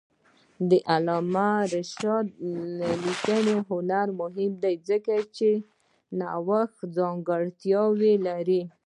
د علامه رشاد لیکنی هنر مهم دی ځکه چې نوښتي ځانګړتیاوې لري.